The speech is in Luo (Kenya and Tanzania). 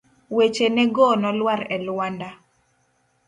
Wechene go nolwar e lwanda.